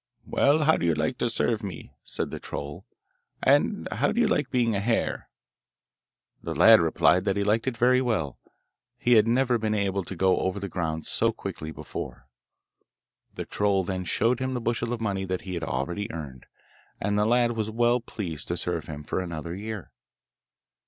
'Well, how do you like to serve me?' said the troll, 'and how do you like being a hare?' The lad replied that he liked it very well; he had never been able to go over the ground so quickly before. The troll then showed him the bushel of money that he had already earned, and the lad was well pleased to serve him for another year.